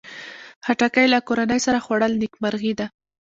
خټکی له کورنۍ سره خوړل نیکمرغي ده.